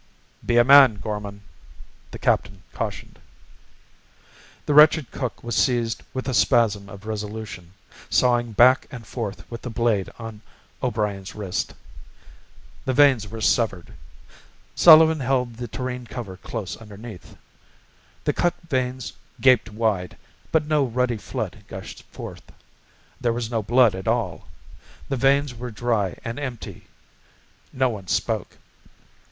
"Be a man, Gorman," the captain cautioned. The wretched cook was seized with a spasm of resolution, sawing back and forth with the blade on O'Brien's wrist. The veins were severed. Sullivan held the tureen cover close underneath. The cut veins gaped wide, but no ruddy flood gushed forth. There was no blood at all. The veins were dry and empty. No one spoke.